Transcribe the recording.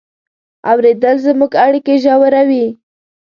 اورېدل زموږ اړیکې ژوروي.